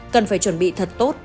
cần phải chuẩn bị thật tốt